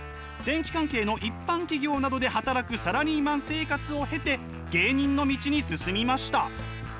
電気関係の一般企業などで働くサラリーマン生活を経て芸人の道に進みました。